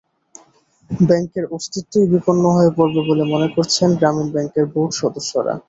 ব্যাংকের অস্তিত্বই বিপন্ন হয়ে পড়বে বলে মনে করছেন গ্রামীণ ব্যাংকের বোর্ড সদস্যরা।